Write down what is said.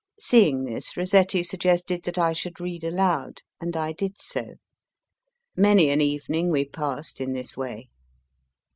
Seeing this, Rossetti suggested that I should read aloud, and I did so. Many an evening we passed in this way.